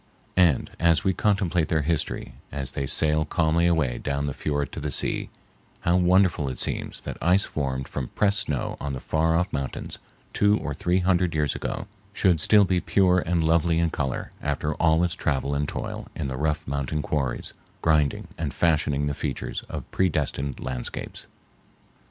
And as we contemplate their history, as they sail calmly away down the fiord to the sea, how wonderful it seems that ice formed from pressed snow on the far off mountains two or three hundred years ago should still be pure and lovely in color after all its travel and toil in the rough mountain quarries, grinding and fashioning the features of predestined landscapes.